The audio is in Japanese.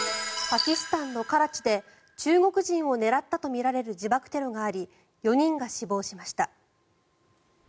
パキスタンのカラチで中国人を狙ったとみられる自爆テロがあり４人が死亡しました。